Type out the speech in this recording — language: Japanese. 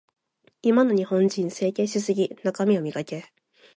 今の日本人、整形しすぎ。中身を磨け。